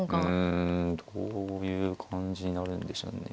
うんどういう感じになるんでしょうね。